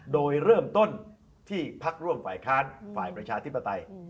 โดยเริ่มต้นที่พักร่วมฝ่ายค้านฝ่ายประชาธิปไตย